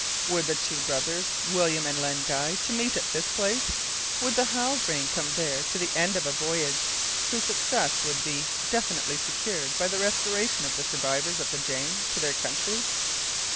Were the two brothers, William and Len Guy, to meet at this place? Would the Halbrane come there to the end of a voyage whose success would be definitely secured by the restoration of the survivors of the Jane to their country?